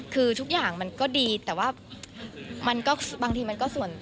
คือทุกอย่างมันก็ดีแต่ว่ามันก็บางทีมันก็ส่วน